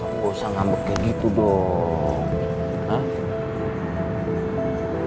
kamu gak usah ngambek kayak gitu dong